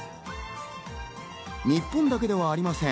日本だけではありません。